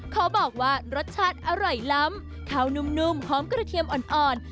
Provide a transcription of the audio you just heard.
ขอบอกว่ารสชาติอร่อยล้ำข้าวนุ่มหอมกระเทียมอ่อน